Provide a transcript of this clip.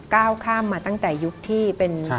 ก้าวข้ามมาตั้งแต่ยุคที่เป็น